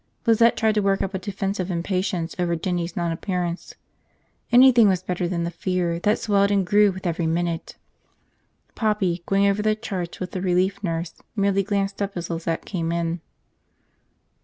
Lizette tried to work up a defensive impatience over Jinny's nonappearance. Anything was better than the fear that swelled and grew with every minute. Poppy, going over the charts with the relief nurse, merely glanced up as Lizette came in.